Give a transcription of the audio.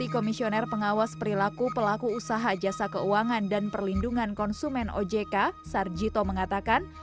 komisioner pengawas perilaku pelaku usaha jasa keuangan dan perlindungan konsumen ojk sarjito mengatakan